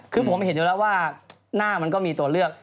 คือผมเห็นอยู่แล้วว่าหน้ามันก็มีตัวเลือก